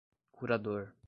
curador